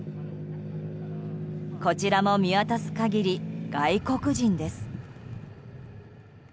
こちらも見渡す限り外国人です。